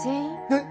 えっ？